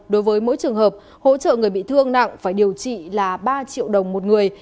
đối với mỗi trường hợp hỗ trợ người bị thương nặng phải điều trị là ba triệu đồng một người